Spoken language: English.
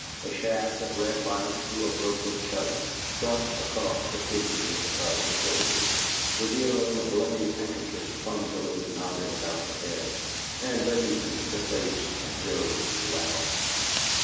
A shaft of red light through a broken shutter struck across the figure above the shoulders, revealing a bloody handkerchief clumsily knotted about the head, and, beneath it, the face of Joe Louden.